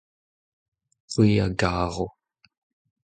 c'hwi a garo.